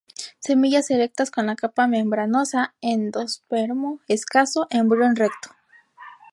Semillas erectas con la capa membranosa; endospermo escaso; embrión recto.